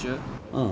うん。